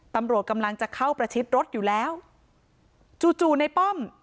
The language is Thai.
ตำรวจกำลังจะเข้าประชิดรถอยู่แล้วจู่จู่ในป้อม